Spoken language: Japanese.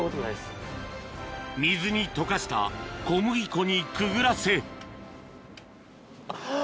水に溶かした小麦粉にくぐらせあっ！